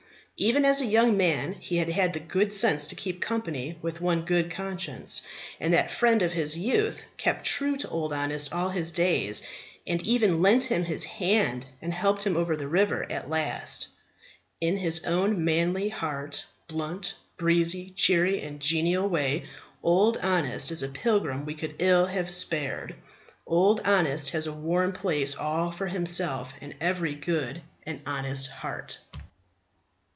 Even as a young man he had had the good sense to keep company with one Good conscience; and that friend of his youth kept true to Old Honest all his days, and even lent him his hand and helped him over the river at last. In his own manly, hearty, blunt, breezy, cheery, and genial way Old Honest is a pilgrim we could ill have spared. Old Honest has a warm place all for himself in every good and honest heart.